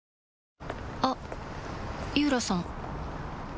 あっ井浦さん